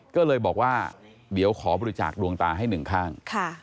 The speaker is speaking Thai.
ก็เลยบอกว่าเดี๋ยวขอบริจาคดวงตาให้หนึ่งข้าง